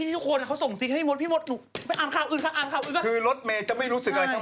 ส่วงเขามีใครอยี่เยอะเลย